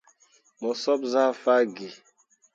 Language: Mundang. Mo sop zah fah gǝǝ.